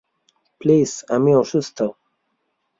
Please, আমি অসুস্থ!